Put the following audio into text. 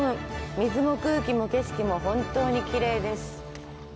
水も空気も景色も、本当にきれいです。